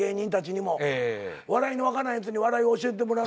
笑いの分からないやつに笑いを教えてもらうのは嫌だ。